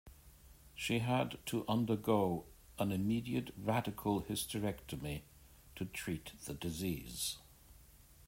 She had to undergo an immediate radical hysterectomy to treat the disease.